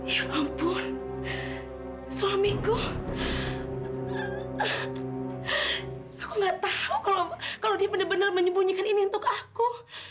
ya ampun suamiku aku gak tahu kalau dia benar benar menyembunyikan ini untuk aku